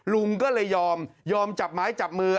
ลุงก็เลยยอมยอมจับไม้จับมือ